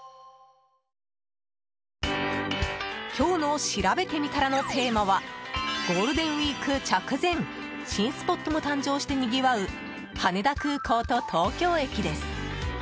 今日のしらべてみたらのテーマはゴールデンウィーク直前新スポットも誕生してにぎわう羽田空港と東京駅です。